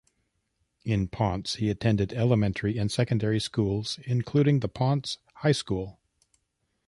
In Ponce he attended elementary and secondary schools, including the Ponce High School.